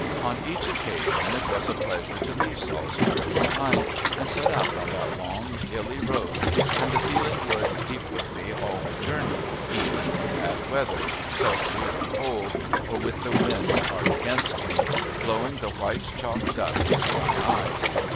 On each occasion it was a pleasure to leave Salisbury behind and set out on that long, hilly road, and the feeling would keep with me all the journey, even in bad weather, sultry or cold, or with the wind hard against me, blowing the white chalk dust into my eyes.